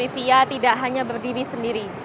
ketulusan dan harapan dari fia tidak hanya berdiri sendiri